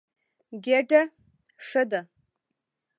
ګېډه ښه ده.